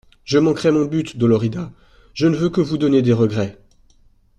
Je manquerais mon but, Dolorida ; je ne veux que vous donner des regrets.